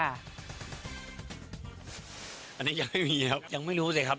อันนี้ยังไม่มีครับยังไม่รู้สิครับ